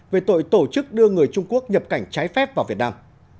về tội tổ chức đưa người trung quốc nhập cảnh trái phép vào việt nam